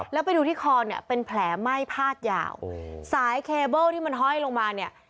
แล้วไปดูที่คอเนี่ยเป็นแผลไหม้พาดยาวสายเคเบิ้ลที่มันห้อยลงมาเนี่ย